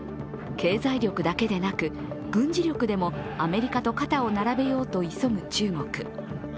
経済力だけでなく軍事力でもアメリカと肩を並べようと急ぐ中国。